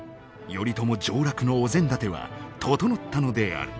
頼朝上洛のお膳立ては整ったのである。